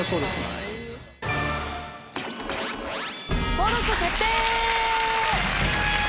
登録決定！